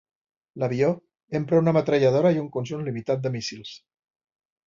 L'avió empra una metralladora i un conjunt limitat de míssils.